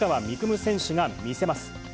夢選手が見せます。